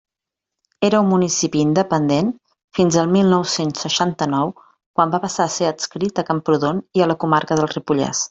Era un municipi independent fins al mil nou-cents seixanta-nou quan va passar a ser adscrit a Camprodon i a la comarca del Ripollès.